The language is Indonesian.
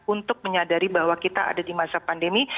untuk menyadari bahwa kita ada di masa pandemi